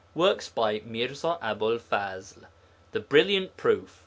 Work by MIRZA ABU'L FAZL: _The Brilliant Proof.